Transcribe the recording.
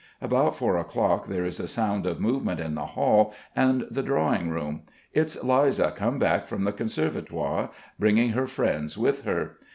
About four o'clock there is a sound of movement in the hall and the drawing room. It's Liza come back from the Conservatoire, bringing her friends with her.